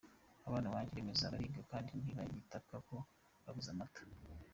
abana banjye bameze neza bariga kandi ntibagitaka ko babuze amata.